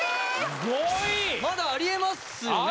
まだあり得ますよね？